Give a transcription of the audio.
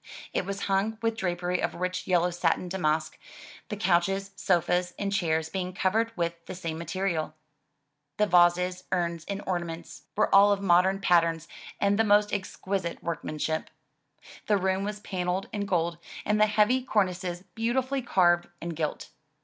It was hung with drapery of rich yellow satin damask, the couches, sofas and chairs being covered with the same material. The vases, urns and ornaments were all of i68 THE TREASURE CHEST modem patterns, and the most exquisite workmanship. The room was panelled in gold, and the heavy cornices beautifully carved and gilt.